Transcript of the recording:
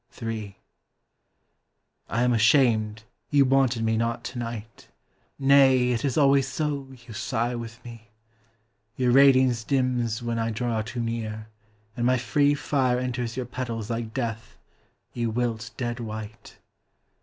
III I am ashamed, you wanted me not to night Nay, it is always so, you sigh with me. Your radiance dims when I draw too near, and my free Fire enters your petals like death, you wilt dead white.